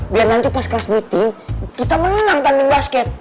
biar nanti pas kelas meeting kita menang tanding basket